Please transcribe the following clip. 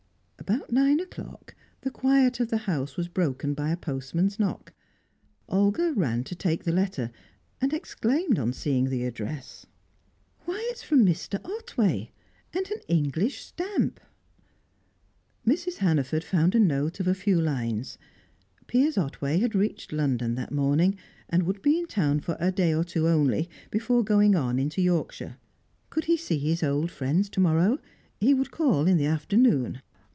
About nine o'clock, the quiet of the house was broken by a postman's knock; Olga ran to take the letter, and exclaimed on seeing the address "Why, it's from Mr. Otway, and an English stamp!" Mrs. Hannaford found a note of a few lines. Piers Otway had reached London that morning, and would be in town for a day or two only, before going on into Yorkshire. Could he see his old friends to morrow? He would call in the afternoon.